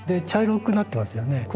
茶色くなってますよね。